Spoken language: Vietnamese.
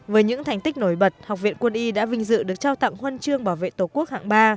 với những thành tích nổi bật học viện quân y đã vinh dự được trao tặng huân chương bảo vệ tổ quốc hạng ba